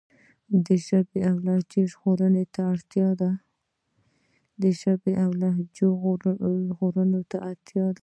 د ژبې او لهجو ژغورنې ته اړتیا وه.